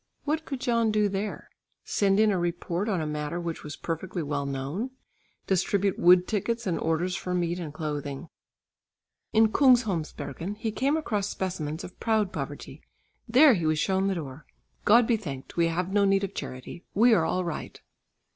What could John do there? Send in a report on a matter which was perfectly well known, distribute wood tickets and orders for meat and clothing. In Kungsholmsbergen he came across specimens of proud poverty. There he was shown the door, "God be thanked, we have no need of charity. We are all right."